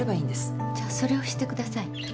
じゃあそれをしてください。